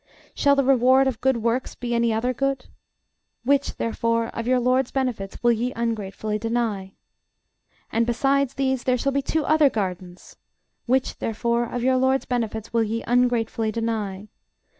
Shall the reward of good works be any other good? Which, therefore, of your LORD'S benefits will ye ungratefully deny? And besides these there shall be two other gardens: (Which, therefore, of your LORD'S benefits will ye ungratefully deny?)